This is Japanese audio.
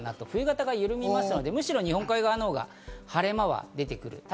冬型が緩みますので、むしろ日本海側のほうが晴れ間が出てくる。